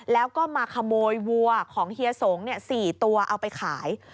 แล้วก็มาขโมยวัวของเฮียสง๔ตัวเอาไปขาย